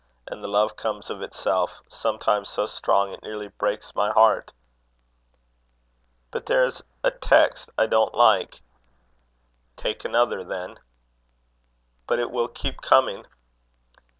And the love comes of itself; sometimes so strong, it nearly breaks my heart." "But there is a text I don't like." "Take another, then." "But it will keep coming."